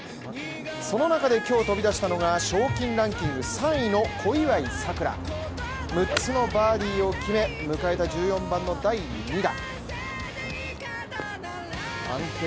その中で今日飛び出したのが賞金ランキング３位の小祝さくら六つのバーディを決め、迎えた１４番の第２打。